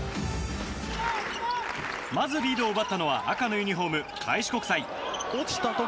まずリードを奪ったのは赤のユニホーム、開志国際。